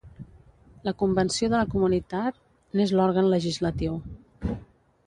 La convenció de la comunitat n'és l'òrgan legislatiu.